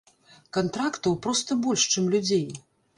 Кантрактаў проста больш, чым людзей.